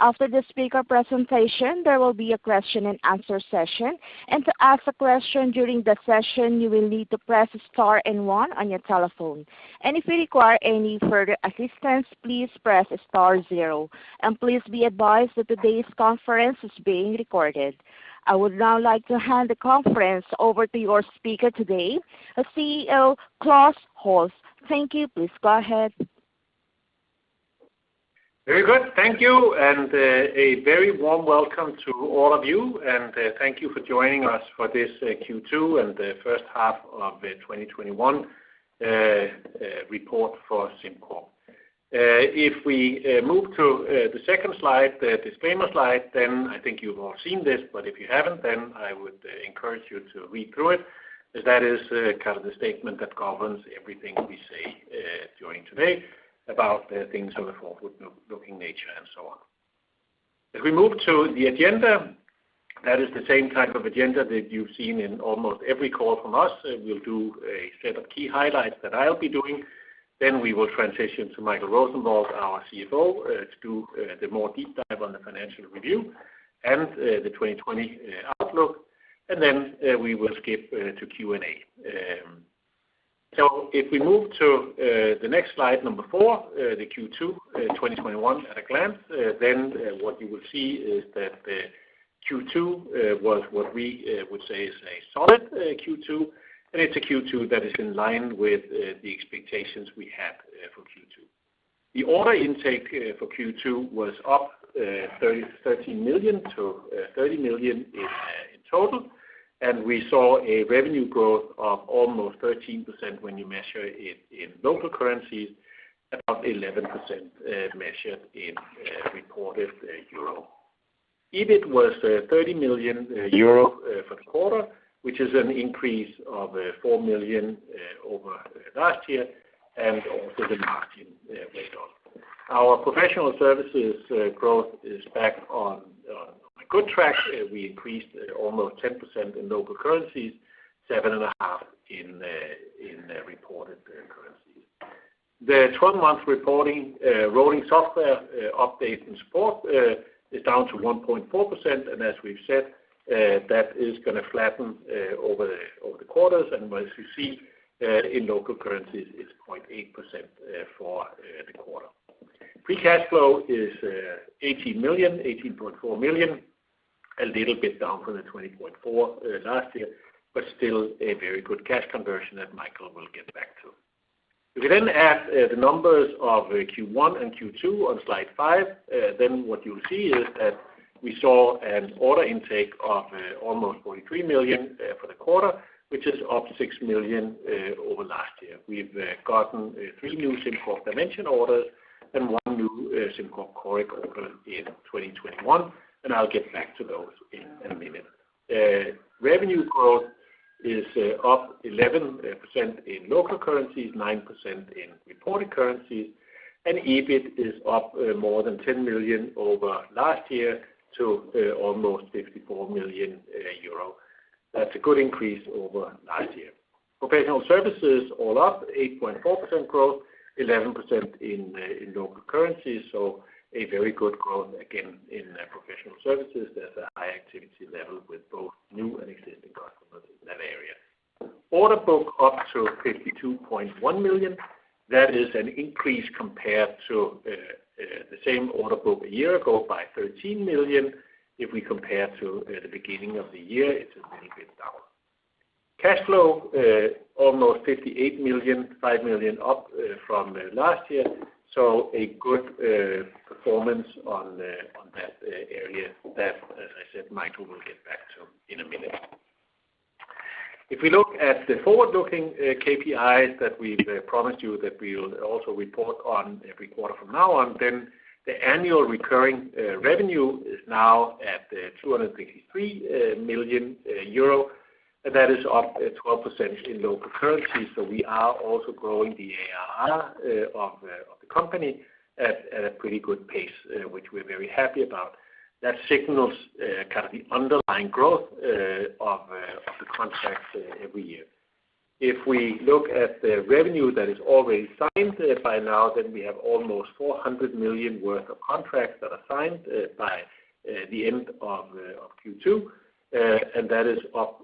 I would now like to hand the conference over to your speaker today, CEO Klaus Holse. Thank you. Please go ahead. Very good. Thank you, and a very warm welcome to all of you, and thank you for joining us for this Q2 and the first half of 2021 report for SimCorp. If we move to the second slide, the disclaimer slide, I think you've all seen this, if you haven't, I would encourage you to read through it, as that is kind of the statement that governs everything we say during today about things of a forward-looking nature and so on. If we move to the agenda, that is the same type of agenda that you've seen in almost every call from us. We'll do a set of key highlights that I'll be doing. We will transition to Michael Rosenvold, our CFO, to do the more deep dive on the financial review and the 2020 outlook. We will skip to Q&A. If we move to the next slide, number 4, the Q2 2021 at a glance, what you will see is that Q2 was what we would say is a solid Q2, and it's a Q2 that is in line with the expectations we had for Q2. The order intake for Q2 was up 13 million to 30 million in total, and we saw a revenue growth of almost 13% when you measure it in local currencies, above 11% measured in reported EUR. EBIT was €30 million for the quarter, which is an increase of 4 million over last year, and also the margin later on. Our professional services growth is back on good track. We increased almost 10% in local currencies, 7.5% in reported currencies. The 12-month rolling software update and support is down to 1.4%, and as we've said, that is going to flatten over the quarters. Once you see in local currencies, it's 0.8% for the quarter. Free cash flow is 18.4 million, a little bit down from 20.4 million last year, but still a very good cash conversion that Michael will get back to. If we then add the numbers of Q1 and Q2 on slide 5, what you'll see is that we saw an order intake of almost 43 million for the quarter, which is up 6 million over last year. We've gotten 3 new SimCorp Dimension orders and 1 new SimCorp Coric order in 2021. I'll get back to those in a minute. Revenue growth is up 11% in local currencies, 9% in reported currencies. EBIT is up more than 10 million over last year to almost €54 million. That's a good increase over last year. Professional services all up 8.4% growth, 11% in local currency. A very good growth, again, in professional services. There's a high activity level with both new and existing customers in that area. Order book up to 52.1 million. That is an increase compared to the same order book a year ago by 13 million. If we compare to the beginning of the year, it's a little bit down. Cash flow, almost 58 million, 5 million up from last year. A good performance on that area that, as I said, Michael will get back to in a minute. If we look at the forward-looking KPIs that we've promised you that we'll also report on every quarter from now on, the annual recurring revenue is now at 263 million euro. That is up 12% in local currency. We are also growing the ARR of the company at a pretty good pace, which we're very happy about. That signals kind of the underlying growth of the contracts every year. If we look at the revenue that is already signed by now, we have almost 400 million worth of contracts that are signed by the end of Q2, and that is up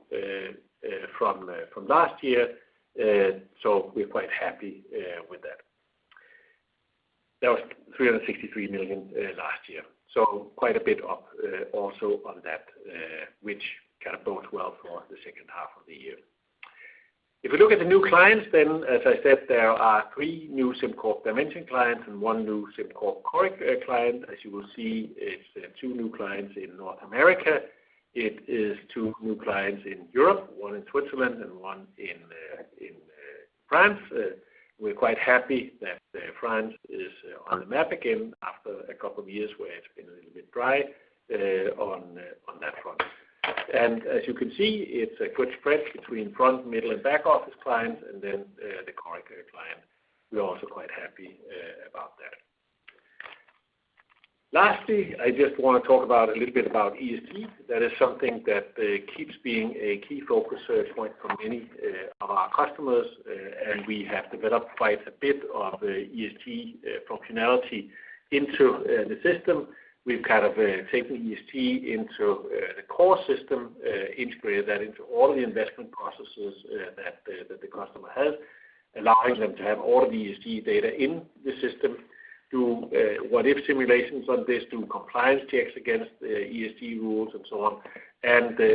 from last year. We're quite happy with that. That was 363 million last year. Quite a bit up also on that, which kind of bodes well for the second half of the year. If we look at the new clients, as I said, there are 3 new SimCorp Dimension clients and 1 new SimCorp Coric client. As you will see, it's 2 new clients in North America. It is 2 new clients in Europe, 1 in Switzerland and 1 in France. We're quite happy that France is on the map again after 2 years where it's been a little bit dry on that front. As you can see, it's a good spread between front, middle, and back office clients, and then the core equity client. We're also quite happy about that. Lastly, I just want to talk a little bit about ESG. That is something that keeps being a key focus search point for many of our customers, and we have developed quite a bit of ESG functionality into the system. We've taken ESG into the core system, integrated that into all the investment processes that the customer has, allowing them to have all the ESG data in the system, do what-if simulations on this, do compliance checks against ESG rules and so on.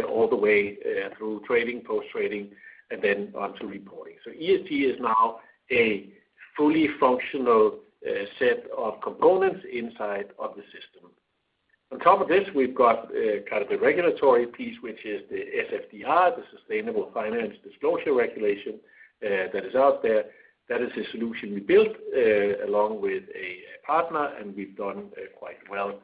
All the way through trading, post-trading, and then onto reporting. ESG is now a fully functional set of components inside of the system. On top of this, we've got the regulatory piece, which is the SFDR, the Sustainable Finance Disclosure Regulation that is out there. That is a solution we built along with a partner, and we've done quite well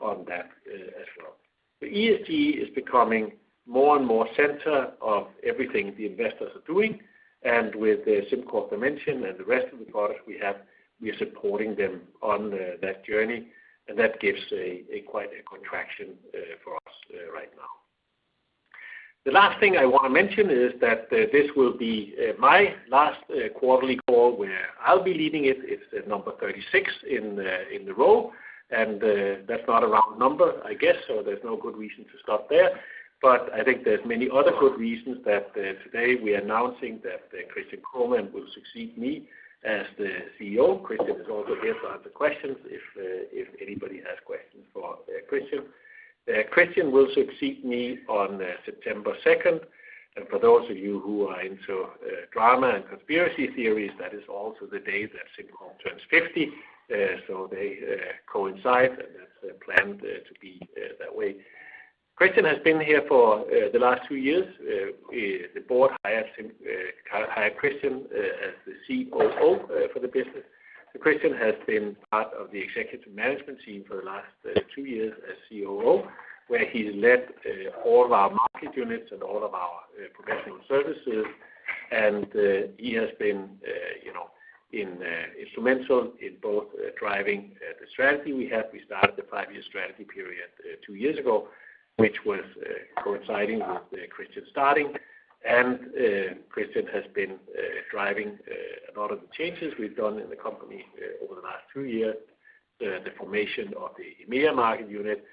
on that as well. ESG is becoming more and more center of everything the investors are doing. With the SimCorp Dimension and the rest of the products we have, we are supporting them on that journey, and that gives quite a traction for us right now. The last thing I want to mention is that this will be my last quarterly call where I'll be leading it. It's number 36 in the row, and that's not a round number, I guess, so there's no good reason to stop there. I think there's many other good reasons that today we are announcing that Christian Kromann will succeed me as the CEO. Christian is also here to answer questions, if anybody has questions for Christian. Christian will succeed me on September 2nd. For those of you who are into drama and conspiracy theories, that is also the day that SimCorp turns 50, so they coincide, and that's planned to be that way. Christian has been here for the last 2 years. The board hired Christian as the COO for the business. Christian has been part of the executive management team for the last 2 years as COO, where he's led all of our market units and all of our professional services, and he has been instrumental in both driving the strategy we have. We started the 5-year strategy period 2 years ago, which was coinciding with Christian starting. Christian Kromann has been driving a lot of the changes we've done in the company over the last 2 years, the formation of the EMEA market unit,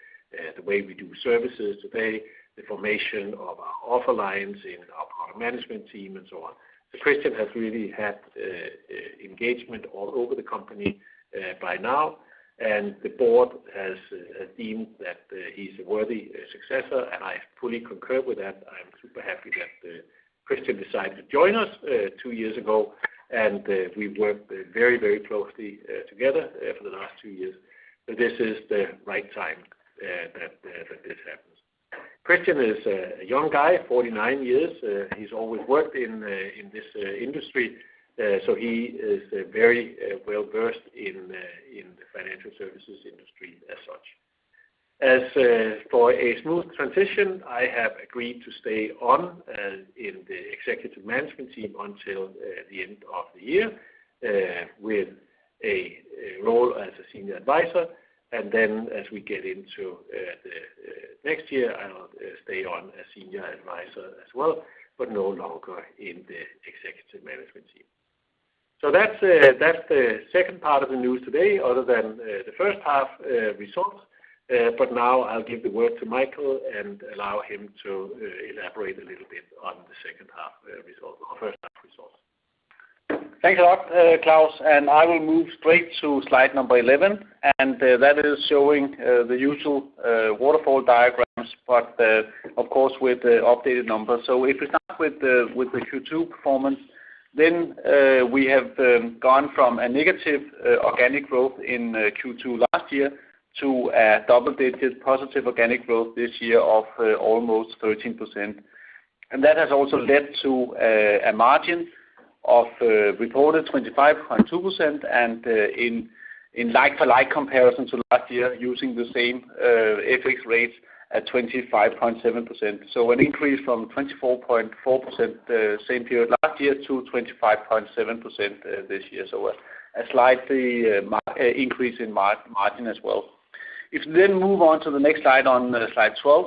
the way we do services today, the formation of our offer lines in our product management team, and so on. Christian Kromann has really had engagement all over the company by now, and the board has deemed that he's a worthy successor, and I fully concur with that. I'm super happy that Christian Kromann decided to join us 2 years ago, and we've worked very closely together for the last 2 years. This is the right time that this happens. Christian Kromann is a young guy, 49 years. He's always worked in this industry, so he is very well-versed in the financial services industry as such. As for a smooth transition, I have agreed to stay on in the executive management team until the end of the year with a role as a senior advisor. As we get into next year, I'll stay on as senior advisor as well, but no longer in the executive management team. That's the second part of the news today, other than the first half results. I'll give the word to Michael and allow him to elaborate a little bit on the first half results. Thanks a lot, Claus. I will move straight to slide number 11, and that is showing the usual waterfall diagrams, but of course, with the updated numbers. If we start with the Q2 performance, then we have gone from a negative organic growth in Q2 last year to a double-digit positive organic growth this year of almost 13%. That has also led to a margin of reported 25.2%, and in like-for-like comparison to last year, using the same FX rates at 25.7%. An increase from 24.4% the same period last year to 25.7% this year. A slight increase in margin as well. If you then move on to the next slide, on slide 12,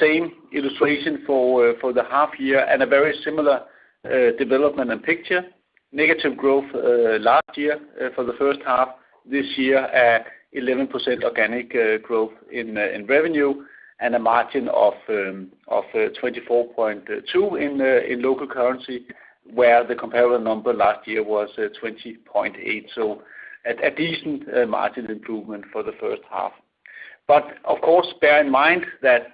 same illustration for the half year and a very similar development and picture. Negative growth last year for the first half. This year, 11% organic growth in revenue and a margin of 24.2 in local currency, where the comparable number last year was 20.8, so a decent margin improvement for the first half. Of course, bear in mind that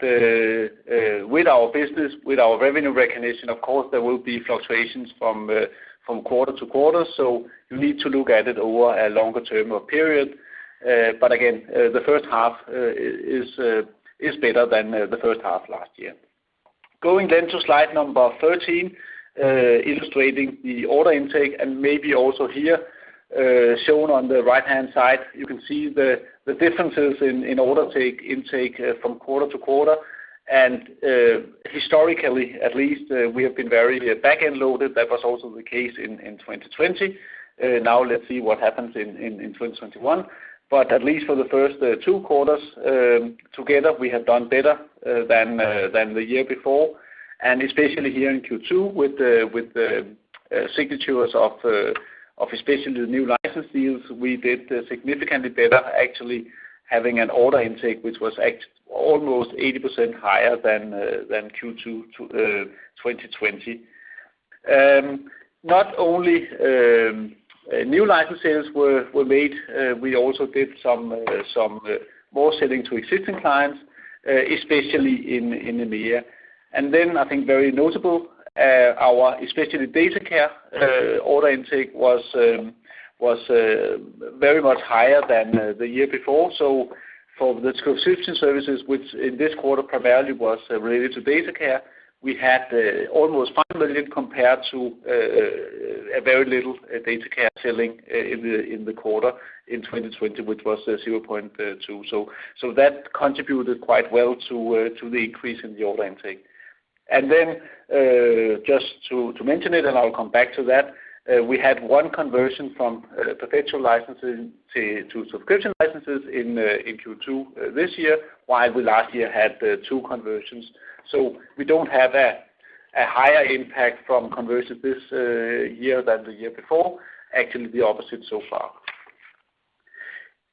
with our business, with our revenue recognition, of course, there will be fluctuations from quarter to quarter, so you need to look at it over a longer term or period. Again, the first half is better than the first half last year. Going to slide number 13, illustrating the order intake and maybe also here, shown on the right-hand side, you can see the differences in order intake from quarter to quarter. Historically, at least, we have been very back-end loaded. That was also the case in 2020. Now let's see what happens in 2021. At least for the first 2 quarters together, we have done better than the year before. Especially here in Q2 with the signatures of especially the new license deals, we did significantly better, actually, having an order intake, which was at almost 80% higher than Q2 2020. Not only new license sales were made, we also did some more selling to existing clients, especially in India. I think very notable, our especially DataCare order intake was very much higher than the year before. For the subscription services, which in this quarter primarily was related to DataCare, we had almost $5 million compared to a very little DataCare selling in the quarter in 2020, which was $0.2. That contributed quite well to the increase in the order intake. Just to mention it, and I'll come back to that, we had 1 conversion from perpetual licensing to subscription licenses in Q2 this year, while we last year had 2 conversions. We don't have a higher impact from conversions this year than the year before, actually the opposite so far.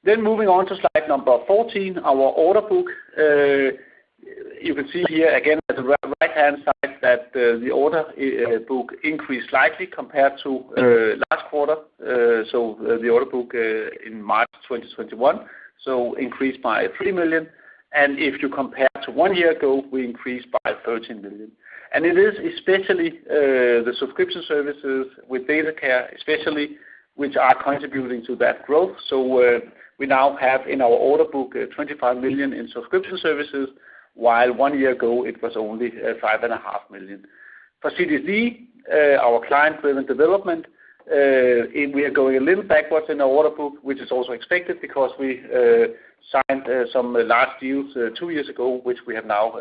Moving on to slide number 14, our order book. You can see here again, at the right-hand side, that the order book increased slightly compared to last quarter, the order book in March 2021, increased by 3 million. If you compare to 1 year ago, we increased by 13 million. It is especially the subscription services with SimCorp DataCare especially, which are contributing to that growth. We now have in our order book 25 million in subscription services, while 1 year ago it was only five and a half million. For CDD, our client-driven development, we are going a little backwards in our order book, which is also expected because we signed some large deals 2 years ago, which we have now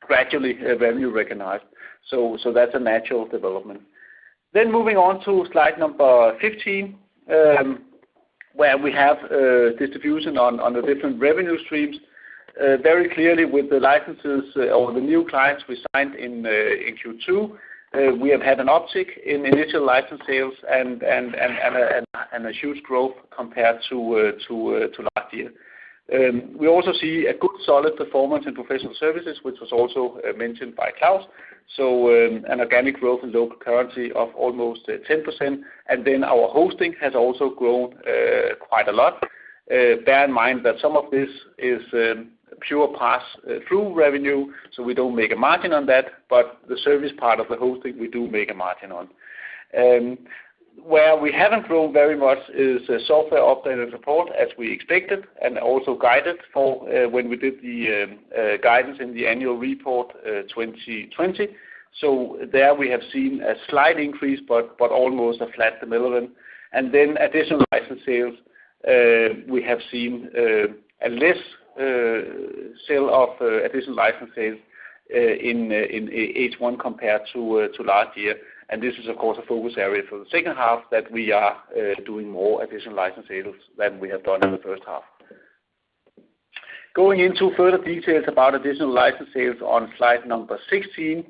gradually revenue recognized. Moving on to slide number 15, where we have distribution on the different revenue streams. Very clearly with the licenses or the new clients we signed in Q2, we have had an uptick in initial license sales and a huge growth compared to last year. We also see a good solid performance in professional services, which was also mentioned by Klaus. An organic growth in local currency of almost 10%, and then our hosting has also grown quite a lot. Bear in mind that some of this is pure pass-through revenue, so we don't make a margin on that, but the service part of the hosting, we do make a margin on. Where we haven't grown very much is software update and support, as we expected, and also guided for when we did the guidance in the annual report 2020. There we have seen a slight increase, but almost a flat development. Then additional license sales, we have seen a less sale of additional license sales in H1 compared to last year. This is, of course, a focus area for the second half that we are doing more additional license sales than we have done in the first half. Going into further details about additional license sales on slide number 16.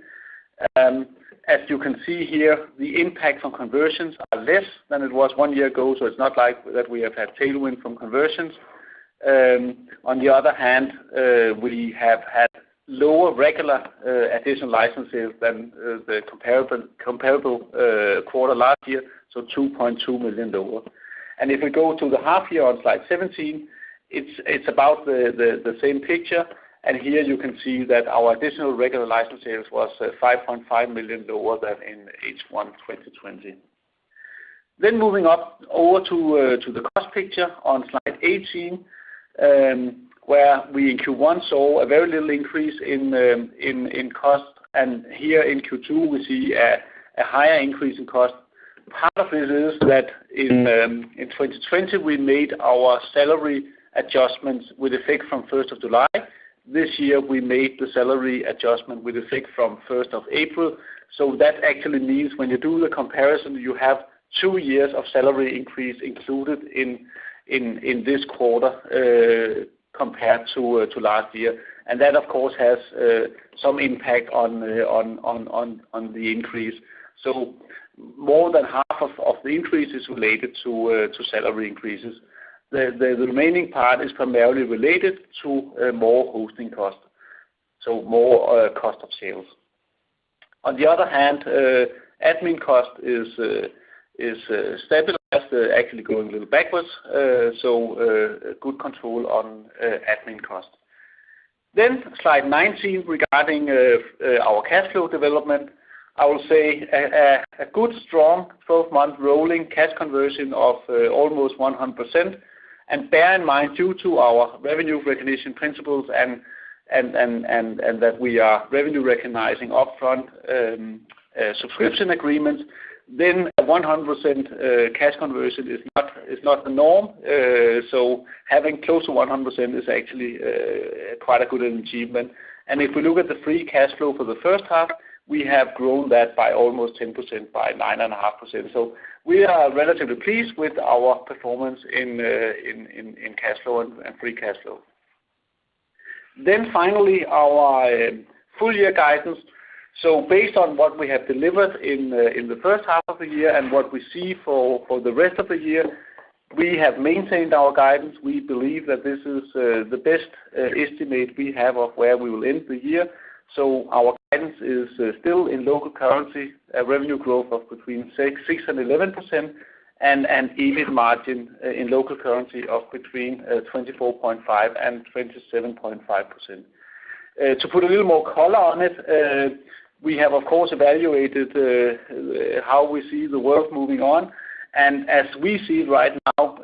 As you can see here, the impact from conversions are less than it was 1 year ago, it's not like that we have had tailwind from conversions. On the other hand, we have had lower regular additional licenses than the comparable quarter last year, EUR 2.2 million. If we go to the half year on slide 17, it's about the same picture. Here you can see that our additional regular license sales was 5.5 million lower than in H1 2020. Moving up over to the cost picture on slide 18, where we in Q1 saw a very little increase in cost, and here in Q2, we see a higher increase in cost. Part of it is that in 2020, we made our salary adjustments with effect from 1st of July. This year, we made the salary adjustment with effect from 1st of April. That actually means when you do the comparison, you have 2 years of salary increase included in this quarter compared to last year. That, of course, has some impact on the increase. More than half of the increase is related to salary increases. The remaining part is primarily related to more hosting costs, so more cost of sales. On the other hand, admin cost is stabilized, actually going a little backwards, so good control on admin cost. Slide 19 regarding our cash flow development. I will say a good strong 12-month rolling cash conversion of almost 100%. Bear in mind, due to our revenue recognition principles, and that we are revenue recognizing upfront subscription agreements, then a 100% cash conversion is not the norm. Having close to 100% is actually quite a good achievement. If we look at the free cash flow for the first half, we have grown that by almost 10%, by 9.5%. We are relatively pleased with our performance in cash flow and free cash flow. Finally, our full year guidance. Based on what we have delivered in the first half of the year and what we see for the rest of the year, we have maintained our guidance. We believe that this is the best estimate we have of where we will end the year. Our guidance is still in local currency, a revenue growth of between 6%-11%, and EBIT margin in local currency of between 24.5%-27.5%. To put a little more color on it, we have, of course, evaluated how we see the world moving on. As we see right now,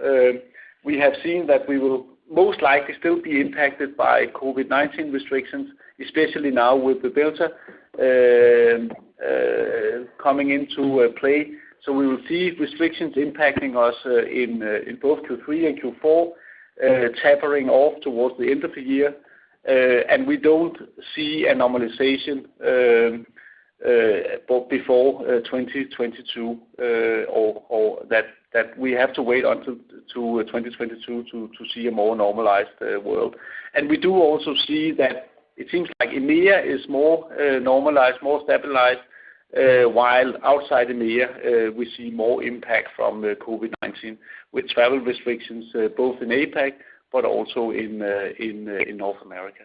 we have seen that we will most likely still be impacted by COVID-19 restrictions, especially now with the Delta coming into play. We will see restrictions impacting us in both Q3 and Q4, tapering off towards the end of the year. We don't see a normalization before 2022, or that we have to wait until 2022 to see a more normalized world. We do also see that it seems like EMEA is more normalized, more stabilized, while outside EMEA, we see more impact from COVID-19 with travel restrictions both in APAC but also in North America.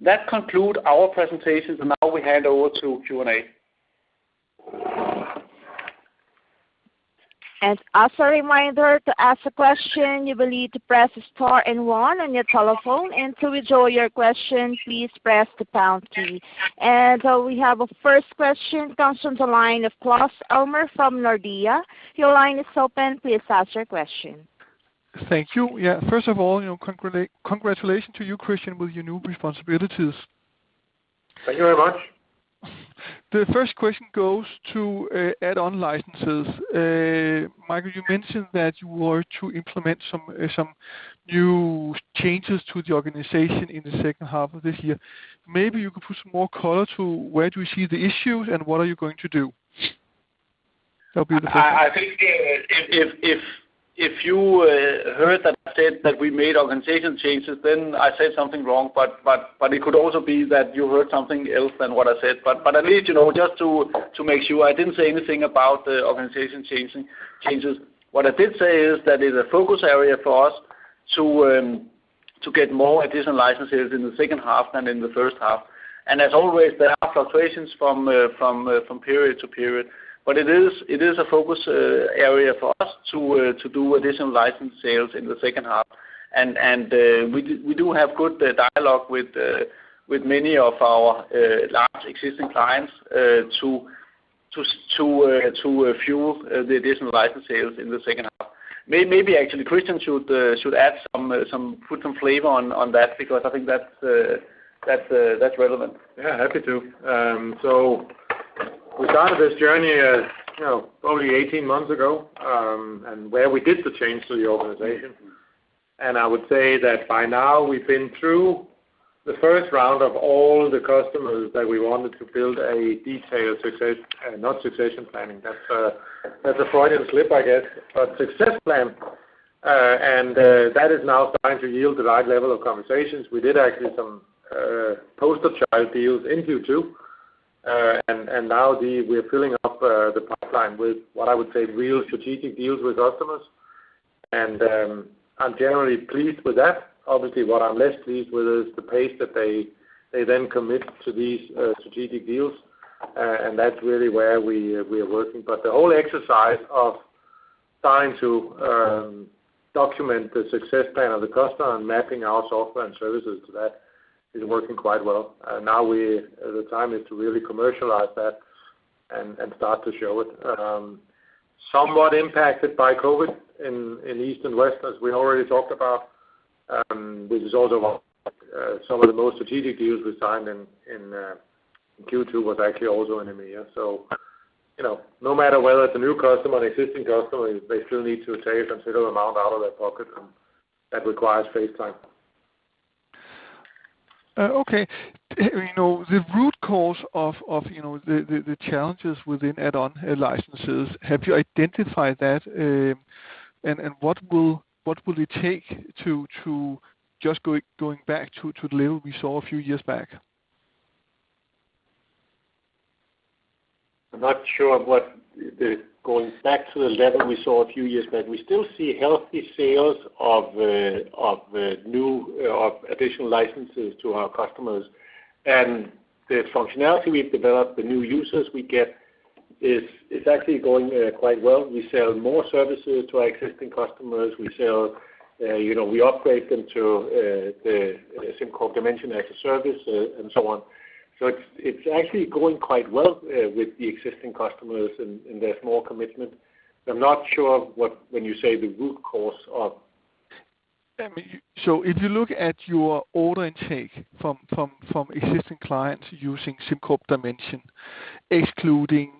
That conclude our presentation. Now we hand over to Q&A. As a reminder, to ask a question, you will need to press star and 1 on your telephone, and to withdraw your question, please press the pound key. We have our first question comes from the line of Claus Almer from Nordea. Your line is open. Please ask your question. Thank you. Yeah. First of all, congratulations to you, Christian, with your new responsibilities. Thank you very much. The first question goes to add-on licenses. Michael, you mentioned that you were to implement some new changes to the organization in the second half of this year. Maybe you could put some more color to where do you see the issues, and what are you going to do? I think if you heard that I said that we made organization changes, then I said something wrong, but it could also be that you heard something else than what I said. At least, just to make sure, I didn't say anything about the organization changes. What I did say is that it's a focus area for us to get more additional licenses in the second half than in the first half. As always, there are fluctuations from period to period. It is a focus area for us to do additional license sales in the second half. We do have good dialogue with many of our large existing clients to fuel the additional license sales in the second half. Maybe actually Christian Kromann should put some flavor on that because I think that's relevant. Yeah, happy to. We started this journey probably 18 months ago, and where we did the change to the organization. I would say that by now we've been through the first round of all the customers that we wanted to build a detailed success plan. That is now starting to yield the right level of conversations. We did actually some poster child deals in Q2. Now we're filling up the pipeline with what I would say, real strategic deals with customers. I'm generally pleased with that. Obviously, what I'm less pleased with is the pace that they then commit to these strategic deals. That's really where we're working. The whole exercise of trying to document the success plan of the customer and mapping our software and services to that is working quite well. Now the time is to really commercialize that and start to show it. Somewhat impacted by COVID in East and West, as we already talked about. This is also why some of the most strategic deals we signed in Q2 was actually also in EMEA. No matter whether it's a new customer, an existing customer, they still need to take a considerable amount out of their pocket, and that requires face time. Okay. The root cause of the challenges within add-on licenses, have you identified that? What will it take to just going back to the level we saw a few years back? I'm not sure of what going back to the level we saw a few years back. We still see healthy sales of new, additional licenses to our customers. The functionality we've developed, the new users we get. It's actually going quite well. We sell more services to our existing customers. We upgrade them to the SimCorp Dimension as a service and so on. It's actually going quite well with the existing customers, and there's more commitment. I'm not sure when you say the root cause of. If you look at your order intake from existing clients using SimCorp Dimension, excluding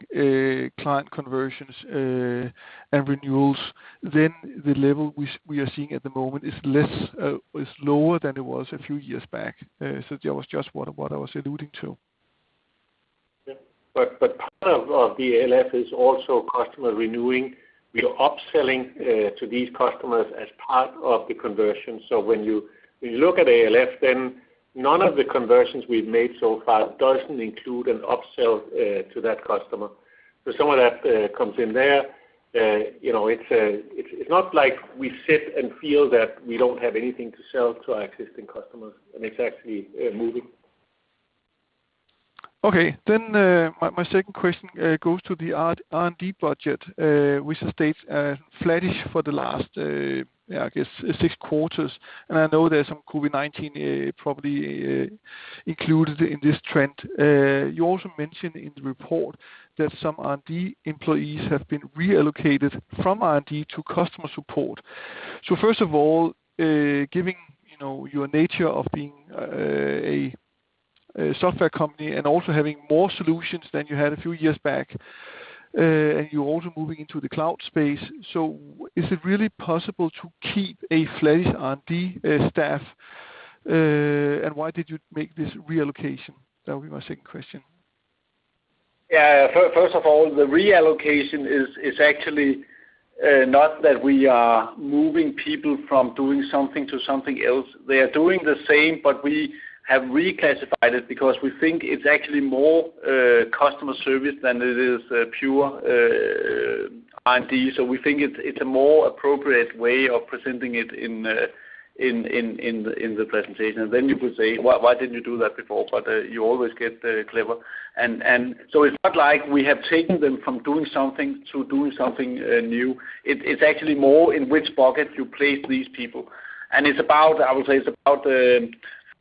client conversions and renewals, then the level we are seeing at the moment is lower than it was a few years back. That was just what I was alluding to. Part of the ALF is also customer renewing. We are upselling to these customers as part of the conversion. When you look at ALF, none of the conversions we've made so far doesn't include an upsell to that customer. Some of that comes in there. It's not like we sit and feel that we don't have anything to sell to our existing customers, and it's actually moving. Okay. My second question goes to the R&D budget, which has stayed flattish for the last, I guess, 6 quarters. I know there's some COVID-19 probably included in this trend. You also mentioned in the report that some R&D employees have been reallocated from R&D to customer support. First of all, given your nature of being a software company and also having more solutions than you had a few years back, and you're also moving into the cloud space. Is it really possible to keep a flattish R&D staff? Why did you make this reallocation? That would be my second question. Yeah. First of all, the reallocation is actually not that we are moving people from doing something to something else. They are doing the same, we have reclassified it because we think it's actually more customer service than it is pure R&D. We think it's a more appropriate way of presenting it in the presentation. You could say, "Well, why didn't you do that before?" You always get clever. It's not like we have taken them from doing something to doing something new. It's actually more in which bucket you place these people. I would say it's about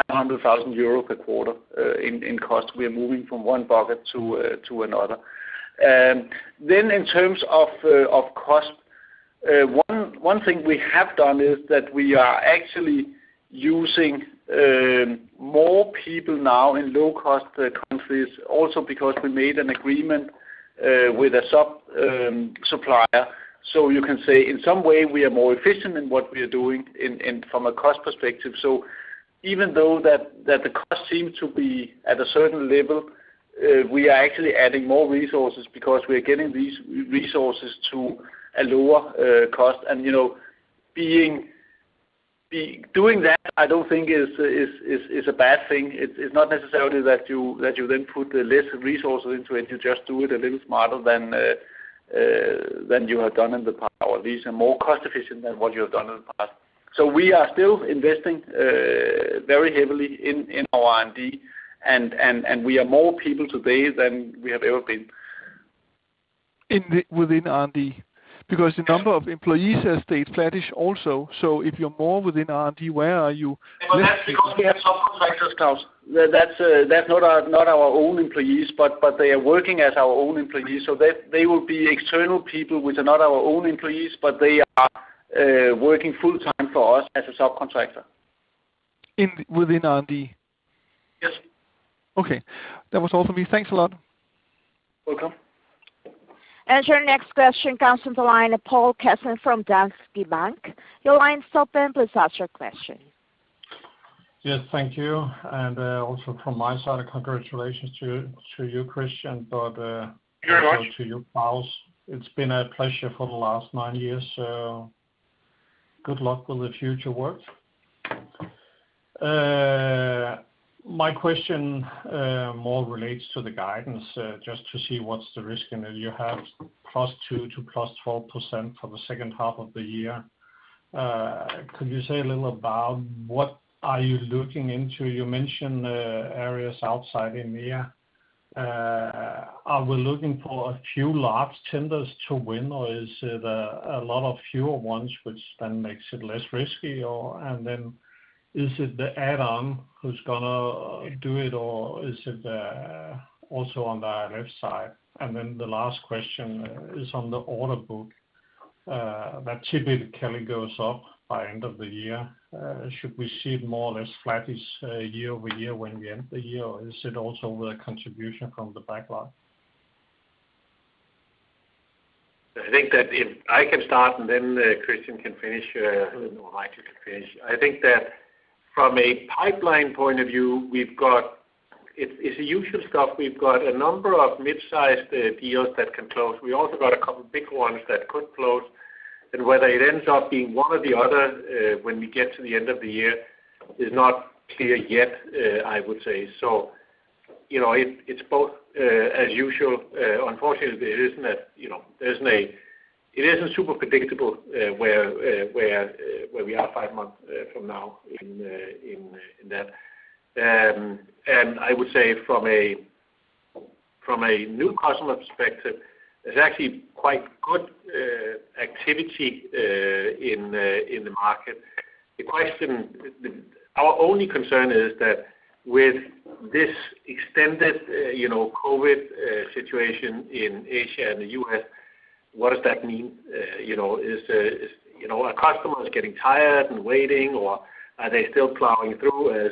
100,000 euro per quarter in cost. We are moving from one bucket to another. In terms of cost, one thing we have done is that we are actually using more people now in low-cost countries, also because we made an agreement with a supplier. You can say, in some way, we are more efficient in what we are doing and from a cost perspective. Even though the cost seems to be at a certain level, we are actually adding more resources because we are getting these resources to a lower cost. Doing that, I don't think is a bad thing. It's not necessarily that you then put less resources into it. You just do it a little smarter than you have done in the past, or at least more cost-efficient than what you have done in the past. We are still investing very heavily in our R&D, and we are more people today than we have ever been. Within R&D? Because the number of employees has stayed flattish also. If you're more within R&D, where are you? Well, that's because we have subcontractors, Claus. They're not our own employees, but they are working as our own employees, so they will be external people which are not our own employees, but they are working full time for us as a subcontractor. Within R&D? Yes. Okay. That was all for me. Thanks a lot. Welcome. Your next question comes from the line, Poul Jessen from Danske Bank. Your line is open. Please ask your question. Yes. Thank you. Also from my side, congratulations to you, Christian. You're welcome also to you, Claus Almer. It's been a pleasure for the last nine years. Good luck with the future work. My question more relates to the guidance, just to see what's the risk in it. You have +2% to +4% for the second half of the year. Could you say a little about what are you looking into? You mentioned areas outside EMEA. Are we looking for a few large tenders to win, or is it a lot of fewer ones, which then makes it less risky? Is it the add-on who's going to do it, or is it also on the ALF side? The last question is on the order book. That typically goes up by end of the year. Should we see it more or less flattish year-over-year when we end the year, or is it also with a contribution from the backlog? I think that I can start and then Christian can finish, or Michael can finish. I think that from a pipeline point of view, it's the usual stuff. We've got a number of mid-sized deals that can close. We've also got a couple big ones that could close. Whether it ends up being one or the other when we get to the end of the year is not clear yet, I would say. It's both as usual. Unfortunately, it isn't super predictable where we are five months from now in that. I would say from a new customer perspective, there's actually quite good activity in the market. Our only concern is that with this extended COVID-19 situation in Asia and the U.S., what does that mean? Are customers getting tired and waiting, or are they still plowing through as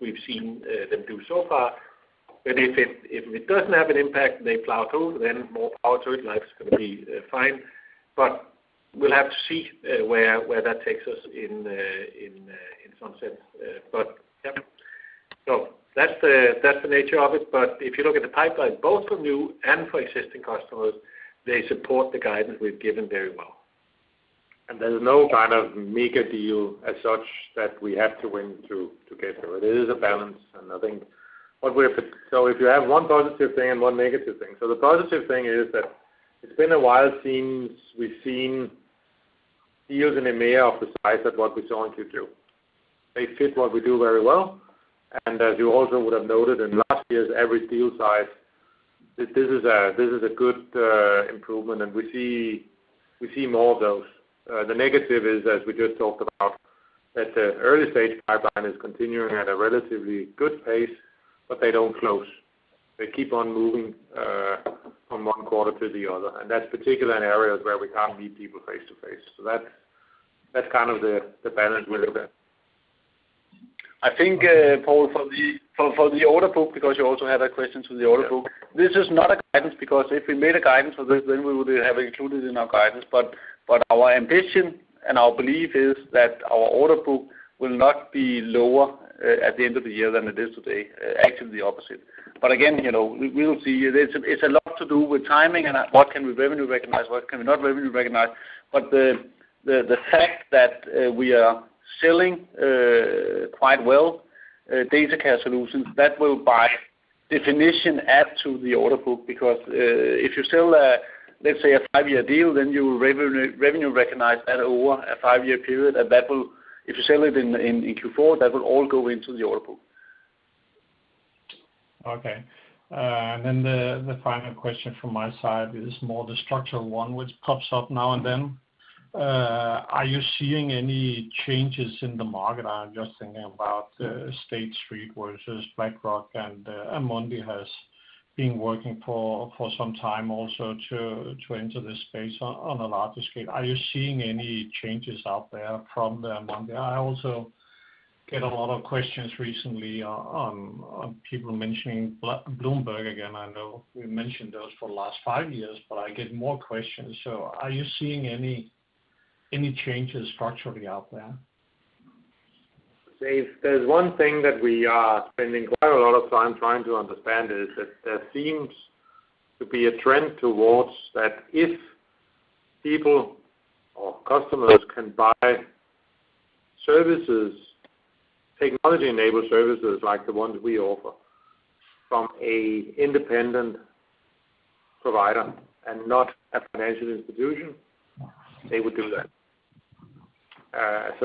we've seen them do so far? If it doesn't have an impact, they plow through, then more power to it. Life's going to be fine. We'll have to see where that takes us in some sense. Yeah. That's the nature of it. If you look at the pipeline, both for new and for existing customers, they support the guidance we've given very well. There's no kind of mega deal as such that we have to win to get there. It is a balance. If you have one positive thing and one negative thing. The positive thing is that it's been a while since we've seen deals in EMEA of the size that what we've shown Q2. They fit what we do very well. As you also would have noted in last year's average deal size, this is a good improvement, and we see more of those. The negative is, as we just talked about, that the early-stage pipeline is continuing at a relatively good pace, but they don't close. They keep on moving from one quarter to the other. That's particularly in areas where we can't meet people face to face. That's kind of the balance with that. I think, Poul, for the order book, because you also had a question to the order book. This is not a guidance, because if we made a guidance for this, then we would have included it in our guidance. Our ambition and our belief is that our order book will not be lower at the end of the year than it is today. Actually, the opposite. Again, we will see. It's a lot to do with timing and what can we revenue recognize, what can we not revenue recognize. The fact that we are selling quite well SimCorp DataCare solutions, that will by definition add to the order book because, if you sell, let's say a five-year deal, then you will revenue recognize that over a five-year period. If you sell it in Q4, that will all go into the order book. Okay. Then the final question from my side is more the structural one, which pops up now and then. Are you seeing any changes in the market? I'm just thinking about State Street versus BlackRock, and Amundi has been working for some time also to enter this space on a larger scale. Are you seeing any changes out there from the Amundi? I also get a lot of questions recently on people mentioning Bloomberg again. I know we mentioned those for the last five years, but I get more questions. Are you seeing any changes structurally out there? If there's one thing that we are spending quite a lot of time trying to understand is that there seems to be a trend towards that if people or customers can buy services, technology-enabled services like the ones we offer, from an independent provider and not a financial institution, they would do that.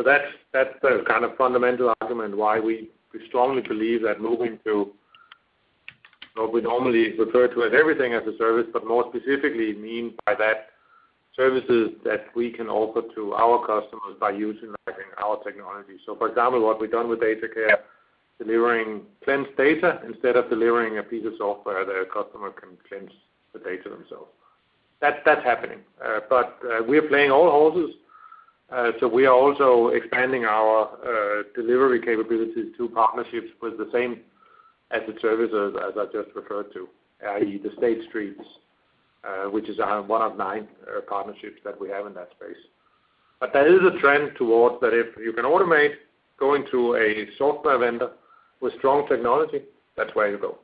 That's the kind of fundamental argument why we strongly believe that moving to what we normally refer to as everything as a service, but more specifically mean by that services that we can offer to our customers by utilizing our technology. For example, what we've done with DataCare, delivering cleansed data instead of delivering a piece of software the customer can cleanse the data themselves. That's happening. We are playing all horses. We are also expanding our delivery capabilities to partnerships with the SaaS as I just referred to, i.e. the State Street which is one of 9 partnerships that we have in that space. There is a trend towards that if you can automate going to a software vendor with strong technology, that's where you go.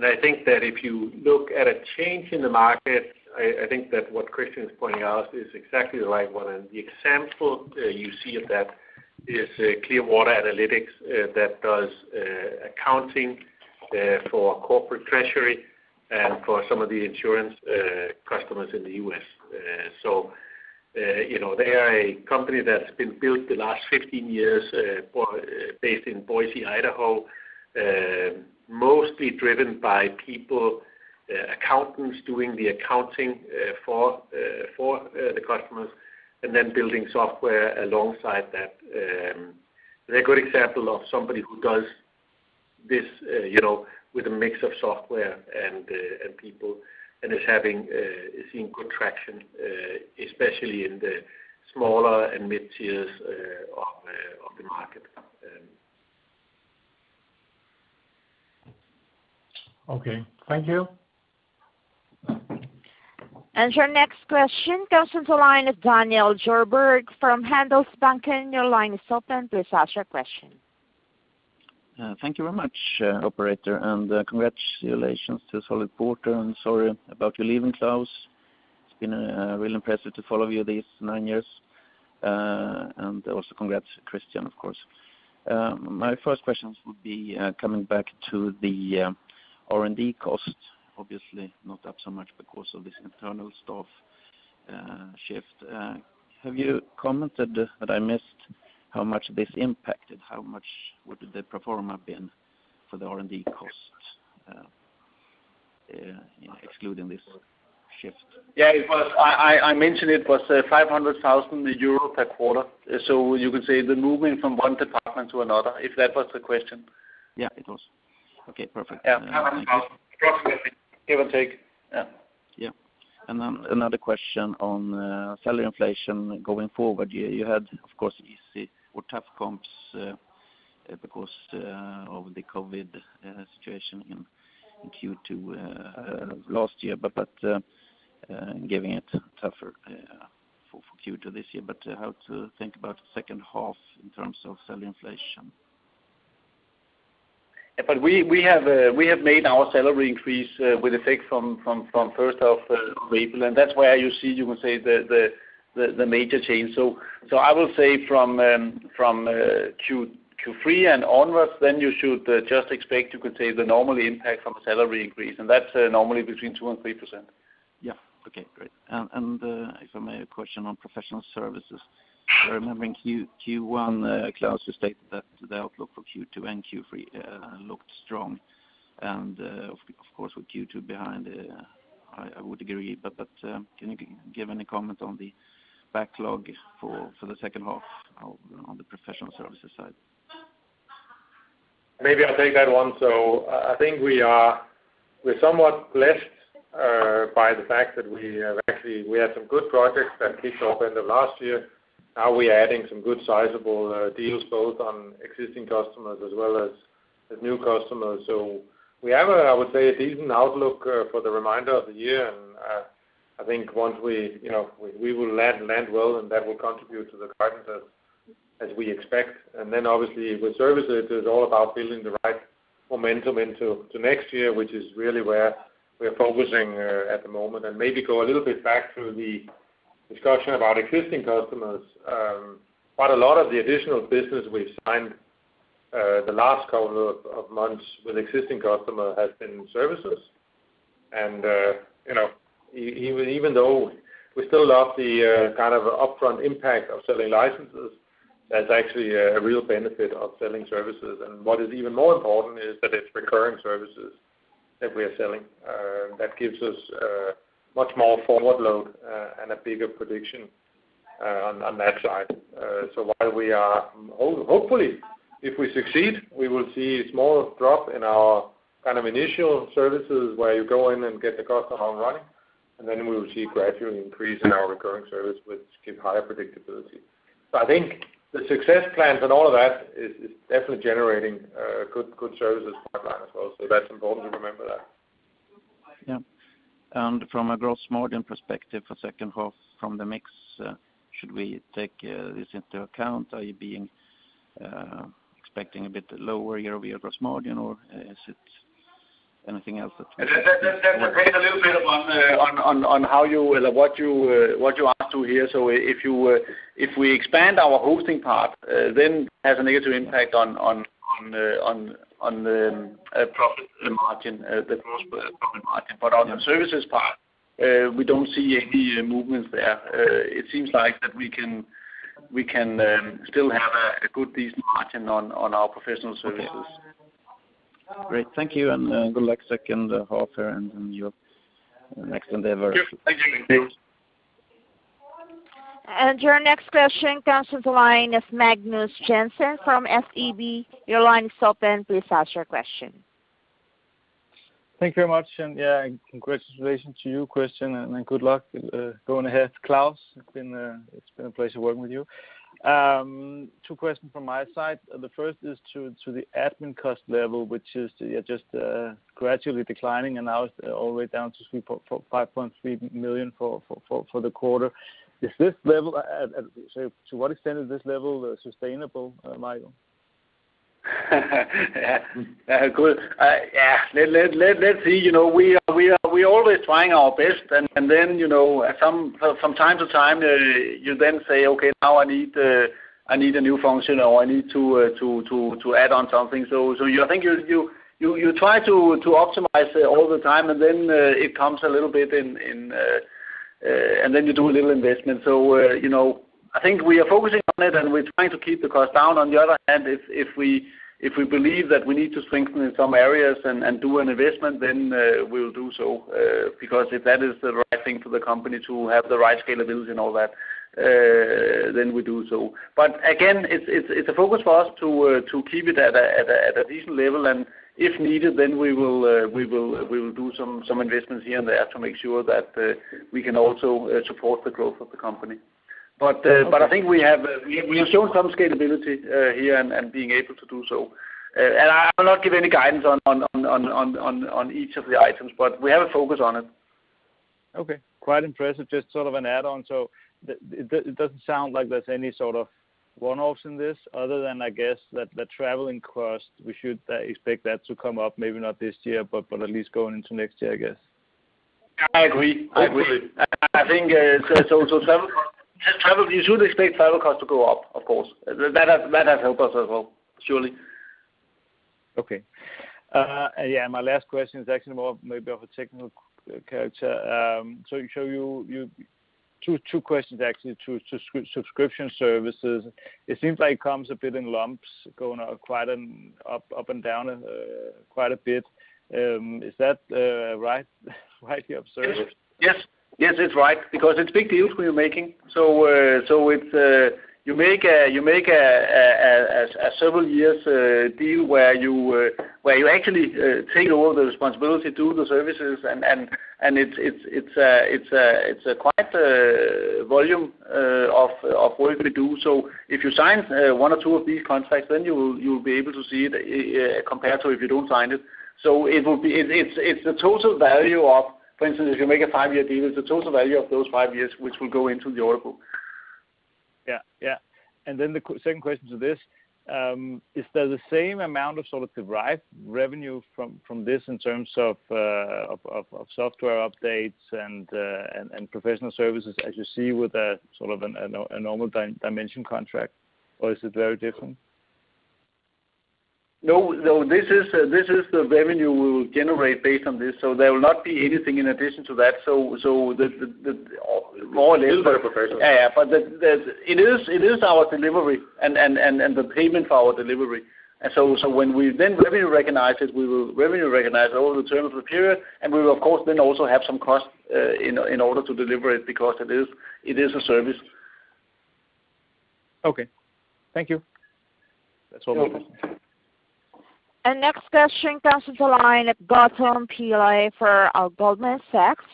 I think that if you look at a change in the market, I think that what Christian Kromann is pointing out is exactly the right one. The example you see of that is Clearwater Analytics that does accounting for corporate treasury and for some of the insurance customers in the U.S. They are a company that's been built the last 15 years, based in Boise, Idaho. Mostly driven by people, accountants doing the accounting for the customers and then building software alongside that. They're a good example of somebody who does this with a mix of software and people and is seeing good traction, especially in the smaller and mid-tiers of the market. Okay. Thank you. Your next question comes from the line of Daniel Djurberg from Handelsbanken. Your line is open. Please ask your question. Thank you very much, operator. Congratulations to Klaus Holse, and sorry about you leaving, Claus. It's been really impressive to follow you these nine years. Also congrats, Christian Kromann, of course. My first questions would be coming back to the R&D costs. Obviously, not that so much because of this internal staff shift. Have you commented, that I missed, how much this impacted? How much would the pro forma have been for the R&D costs excluding this shift? Yeah. I mentioned it was €500,000 per quarter. You could say the movement from one department to another, if that was the question. Yeah, it was. Okay, perfect. Yeah, EUR 500,000 approximately. Give or take. Yeah. Yeah. Another question on salary inflation going forward. You had, of course, easy or tough comps because of the COVID-19 situation in Q2 last year. Giving it tougher for Q2 this year. How to think about the second half in terms of salary inflation? We have made our salary increase with effect from first of April, and that's why you see the major change. I will say from Q3 and onwards, then you should just expect the normal impact from a salary increase. That's normally between 2% and 3%. Yeah. Okay, great. If I may, a question on professional services. I remember in Q1, Klaus Holse has stated that the outlook for Q2 and Q3 looked strong. Of course, with Q2 behind, I would agree. Can you give any comment on the backlog for the second half on the professional services side? Maybe I'll take that one. I think we're somewhat blessed by the fact that we have some good projects that kicked off in the last year. Now we are adding some good sizable deals, both on existing customers as well as with new customers. We have, I would say, a decent outlook for the remainder of the year. I think once we will land well, and that will contribute to the pipeline as we expect. Then obviously with services, it's all about building the right momentum into next year, which is really where we're focusing at the moment. Maybe go a little bit back to the discussion about existing customers. Quite a lot of the additional business we've signed the last couple of months with existing customer has been services. Even though we still love the upfront impact of selling licenses, that's actually a real benefit of selling services. What is even more important is that it's recurring services that we are selling. That gives us much more forward load and a bigger prediction on that side. While we are, hopefully, if we succeed, we will see a small drop in our initial services where you go in and get the customer up and running, and then we will see gradual increase in our recurring service, which give higher predictability. I think the success plans and all of that is definitely generating a good services pipeline as well. That's important to remember that. Yeah. From a gross margin perspective for 2nd half from the mix, should we take this into account? Are you expecting a bit lower year-over-year gross margin, or is it anything else that? That depends a little bit on what you ask here. If we expand our hosting part, then has a negative impact on the profit margin, the gross profit margin. On the services part, we don't see any movements there. It seems like that we can still have a good, decent margin on our professional services. Great. Thank you, and good luck second half and in your next endeavor. Thank you. Your next question comes to the line of Magnus Jensen from SEB. Your line is open. Please ask your question. Thank you very much. Congratulations to you, Christian, and good luck going ahead, Claus. It's been a pleasure working with you. Two questions from my side. The first is to the admin cost level, which is just gradually declining and now is all the way down to 5.3 million for the quarter. To what extent is this level sustainable, Michael? Good. Let's see. We always trying our best, and then some time to time, you then say, "Okay, now I need a new function, or I need to add on something." I think you try to optimize all the time, and then it comes a little bit in, and then you do a little investment. I think we are focusing on it, and we're trying to keep the cost down. On the other hand, if we believe that we need to strengthen some areas and do an investment, then we'll do so. If that is the right thing for the company to have the right scalability and all that, then we do so. Again, it's a focus for us to keep it at a decent level. If needed, then we will do some investments here and there to make sure that we can also support the growth of the company. I think we have shown some scalability here and being able to do so. I will not give any guidance on each of the items, but we have a focus on it. Okay. Quite impressive. Just sort of an add-on. It doesn't sound like there's any sort of one-offs in this other than, I guess, the traveling cost. We should expect that to come up, maybe not this year, but at least going into next year, I guess. I agree. I think also travel costs. You should expect travel costs to go up, of course. That has helped us as well, surely. Okay. My last question is actually more maybe of a technical character. Two questions, actually. Subscription services, it seems like it comes a bit in lumps, going up and down quite a bit. Is that rightly observed? Yes, it's right, because it's big deals we're making. You make a several years deal where you actually take all the responsibility to do the services, and it's quite a volume of work we do. If you sign one or two of these contracts, then you'll be able to see it compared to if you don't sign it. It's the total value of, for instance, if you make a five-year deal, it's the total value of those five years which will go into the order book. Yeah. Then the second question to this, is there the same amount of derived revenue from this in terms of software updates and professional services as you see with a normal Dimension contract, or is it very different? No, this is the revenue we will generate based on this, so there will not be anything in addition to that. More or less. A little bit of professional services. Yeah. It is our delivery and the payment for our delivery. When we then revenue recognize it, we will revenue recognize it over the terms of the period, and we will, of course, then also have some costs in order to deliver it because it is a service. Okay. Thank you. That's all we need. Next question comes from the line of Gautam Pillai for Goldman Sachs.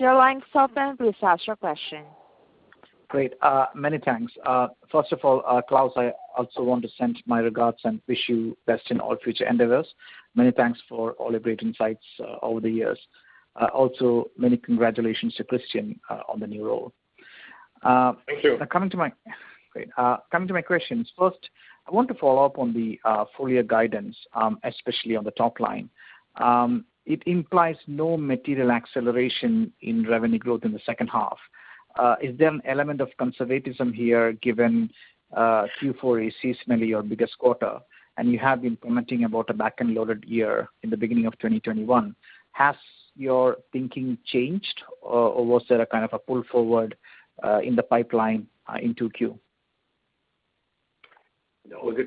Great. Many thanks. First of all, Claus Almer, I also want to send my regards and wish you best in all future endeavors. Many thanks for all the great insights over the years. Also, many congratulations to Christian Kromann on the new role. Thank you. Great. Coming to my questions. First, I want to follow up on the full-year guidance, especially on the top line. It implies no material acceleration in revenue growth in the second half. Is there an element of conservatism here given Q4 is seasonally your biggest quarter, and you have been commenting about a back-end loaded year in the beginning of 2021? Has your thinking changed or was there a kind of a pull forward in the pipeline in 2Q? No. The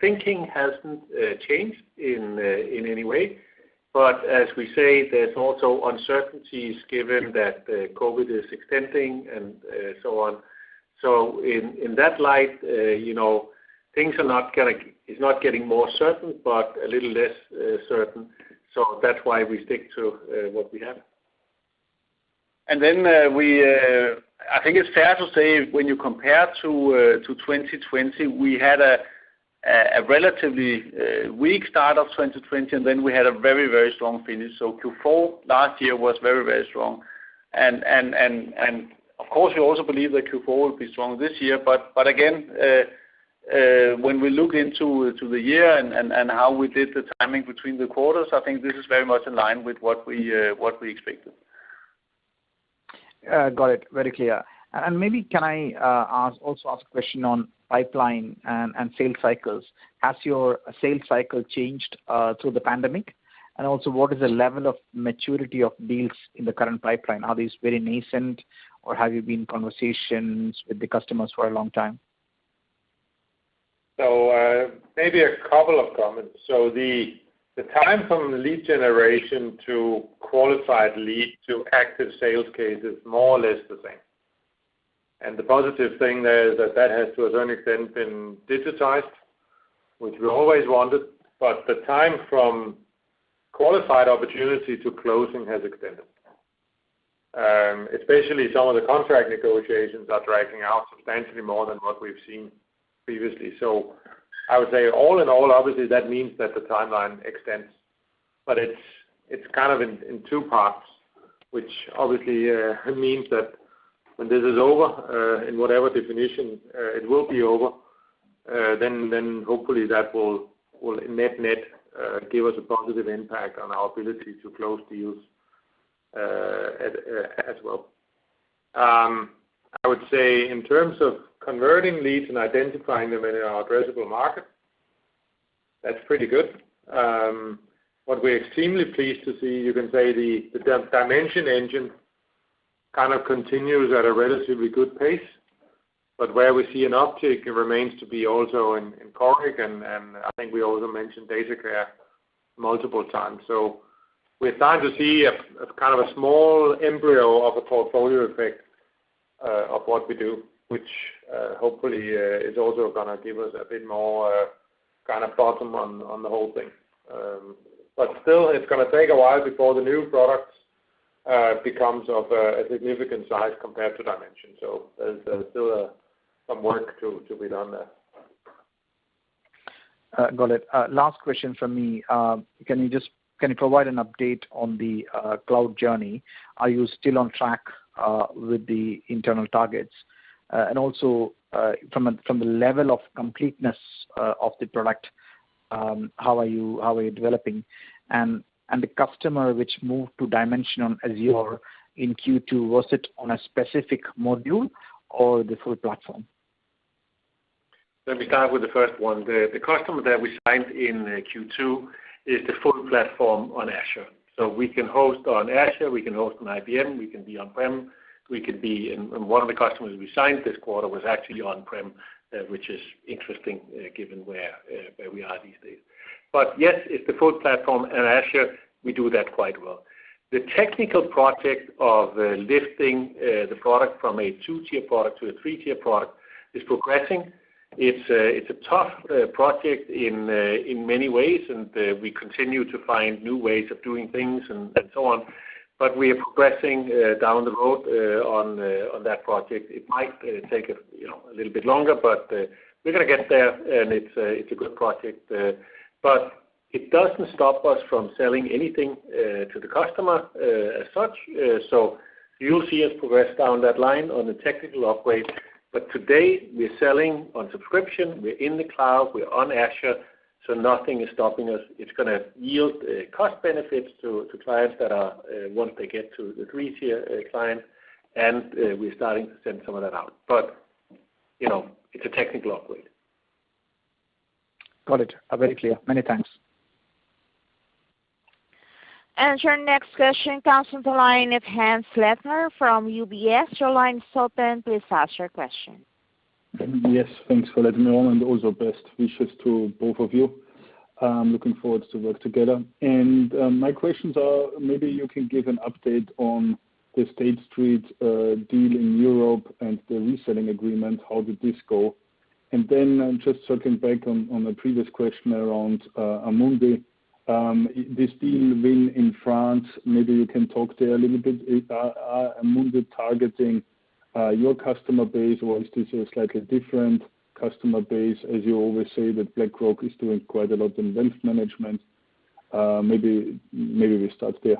thinking hasn't changed in any way. As we say, there's also uncertainties given that COVID is extending and so on. In that light, things are not getting more certain, but a little less certain. That's why we stick to what we have. I think it's fair to say when you compare to 2020, we had a relatively weak start of 2020, and then we had a very, very strong finish. Q4 last year was very, very strong. Of course, we also believe that Q4 will be strong this year. Again, when we look into the year and how we did the timing between the quarters, I think this is very much in line with what we expected. Got it. Very clear. Maybe can I also ask a question on pipeline and sales cycles? Has your sales cycle changed through the pandemic? Also, what is the level of maturity of deals in the current pipeline? Are these very nascent, or have you been in conversations with the customers for a long time? Maybe a couple of comments. The time from lead generation to qualified lead to active sales case is more or less the same. The positive thing there is that has to a certain extent been digitized, which we always wanted. The time from qualified opportunity to closing has extended. Especially some of the contract negotiations are dragging out substantially more than what we've seen previously. I would say all in all, obviously, that means that the timeline extends. It's kind of in two parts, which obviously means that when this is over, in whatever definition it will be over, then hopefully that will net-net give us a positive impact on our ability to close deals as well. I would say in terms of converting leads and identifying them in our addressable market, that's pretty good. What we're extremely pleased to see, you can say the Dimension engine kind of continues at a relatively good pace. Where we see an uptick, it remains to be also in Coric, and I think we also mentioned DataCare multiple times. We're starting to see a kind of a small embryo of a portfolio effect of what we do, which hopefully is also going to give us a bit more kind of bottom on the whole thing. Still, it's going to take a while before the new products becomes of a significant size compared to Dimension. There's still some work to be done there. Got it. Last question from me. Can you provide an update on the cloud journey? Are you still on track with the internal targets? Also from the level of completeness of the product, how are you developing? The customer which moved to Dimension on Azure in Q2, was it on a specific module or the full platform? Let me start with the first one. The customer that we signed in Q2 is the full platform on Azure. We can host on Azure, we can host on IBM, we can be on-prem. One of the customers we signed this quarter was actually on-prem, which is interesting given where we are these days. Yes, it's the full platform on Azure. We do that quite well. The technical project of lifting the product from a 2-tier product to a 3-tier product is progressing. It's a tough project in many ways, and we continue to find new ways of doing things and so on. We are progressing down the road on that project. It might take a little bit longer, but we're going to get there, and it's a good project. It doesn't stop us from selling anything to the customer as such. You'll see us progress down that line on the technical upgrade. Today, we're selling on subscription, we're in the cloud, we're on Azure, nothing is stopping us. It's going to yield cost benefits to clients once they get to the 3-tier client, and we're starting to send some of that out. It's a technical upgrade. Got it. Very clear. Many thanks. Your next question comes from the line of Hannes Leitner from UBS. Your line is open. Please ask your question. Thanks for letting me on, also best wishes to both of you. I'm looking forward to work together. My questions are, maybe you can give an update on the State Street deal in Europe and the reselling agreement. How did this go? Just circling back on a previous question around Amundi. This deal win in France, maybe you can talk there a little bit. Are Amundi targeting your customer base, or is this a slightly different customer base, as you always say that BlackRock is doing quite a lot in wealth management? Maybe we start there.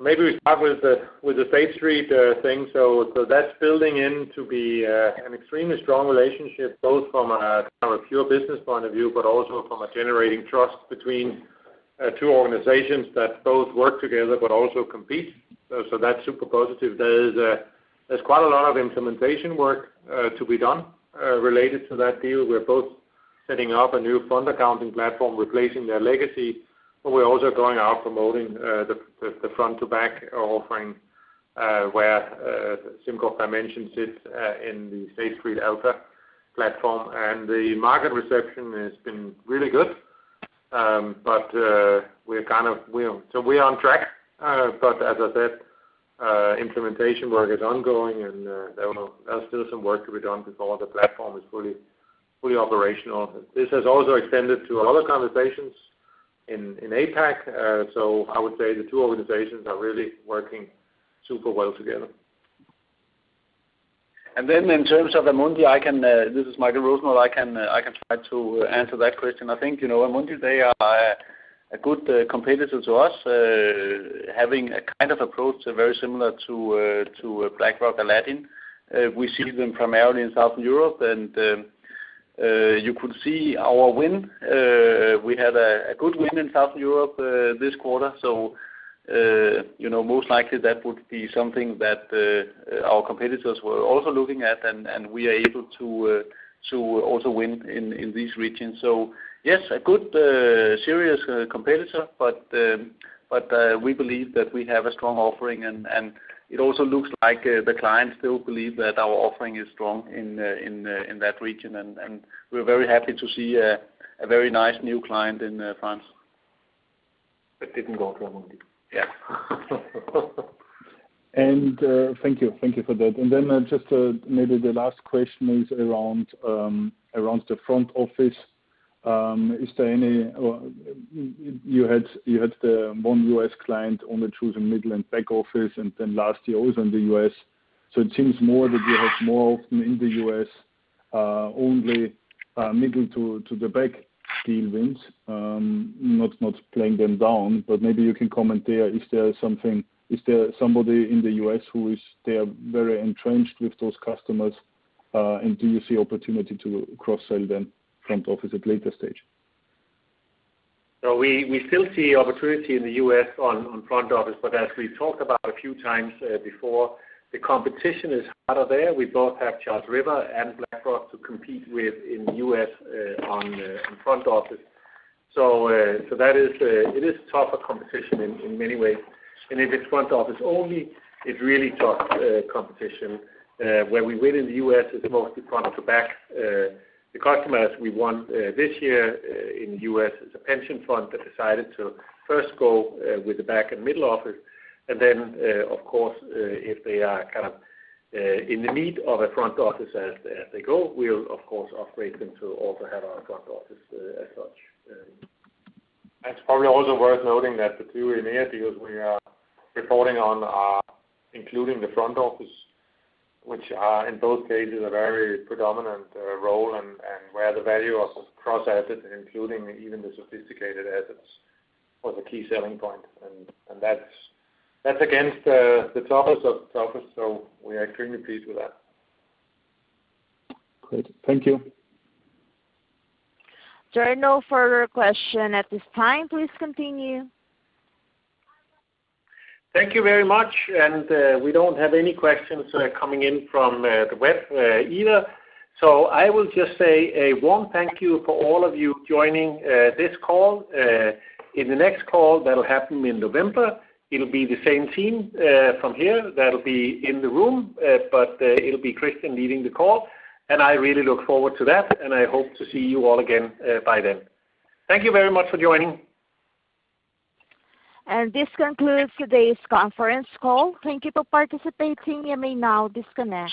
Maybe we start with the State Street thing. That's building in to be an extremely strong relationship, both from a pure business point of view, but also from a generating trust between two organizations that both work together but also compete. That's super positive. There's quite a lot of implementation work to be done related to that deal. We're both setting up a new fund accounting platform, replacing their legacy, but we're also going out promoting the front to back offering, where SimCorp Dimension sits in the State Street Alpha platform. The market reception has been really good. We're on track. As I said, implementation work is ongoing, and there's still some work to be done before the platform is fully operational. This has also extended to other conversations in APAC. I would say the two organizations are really working super well together. In terms of Amundi, this is Michael Rosenvold, I can try to answer that question. I think Amundi, they are a good competitor to us, having a kind of approach very similar to BlackRock Aladdin. We see them primarily in Southern Europe, and you could see our win. We had a good win in Southern Europe this quarter. Most likely that would be something that our competitors were also looking at, and we are able to also win in these regions. Yes, a good serious competitor, but we believe that we have a strong offering, and it also looks like the clients still believe that our offering is strong in that region. We're very happy to see a very nice new client in France. That didn't go to Amundi. Yeah. Thank you for that. Just maybe the last question is around the front office. You had 1 U.S. client only choosing middle and back office, last year also in the U.S. It seems more that you have more often in the U.S. only middle to the back deal wins. Not playing them down, maybe you can comment there. Is there somebody in the U.S. who they are very entrenched with those customers, do you see opportunity to cross-sell them front office at later stage? We still see opportunity in the U.S. on front office, but as we've talked about a few times before, the competition is harder there. We both have Charles River and BlackRock to compete with in the U.S. on front office. It is tougher competition in many ways. If it's front office only, it's really tough competition. Where we win in the U.S. is mostly front to back. The customers we won this year in U.S. is a pension fund that decided to first go with the back and middle office. Then of course, if they are in the need of a front office as they go, we'll of course upgrade them to also have our front office as such. It's probably also worth noting that the two EMEA deals we are reporting on are including the front office, which are in both cases a very predominant role and where the value of cross-asset, including even the sophisticated assets, was a key selling point. That's against the toughest of toughest. We are extremely pleased with that. Great. Thank you. There are no further questions at this time. Please continue. Thank you very much. We don't have any questions coming in from the web either. I will just say a warm thank you for all of you joining this call. In the next call that'll happen in November, it'll be the same team from here that'll be in the room, but it'll be Christian leading the call. I really look forward to that, and I hope to see you all again by then. Thank you very much for joining. This concludes today's conference call. Thank you for participating. You may now disconnect.